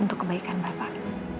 untuk kebaikan bapak